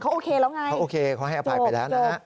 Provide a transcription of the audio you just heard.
โอเคแล้วไงเขาโอเคเขาให้อภัยไปแล้วนะฮะ